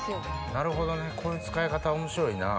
なるほどねこういう使い方面白いな。